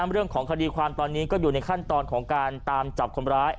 เรื่องของคดีความตอนนี้ก็อยู่ในขั้นตอนของการตามจับคนร้าย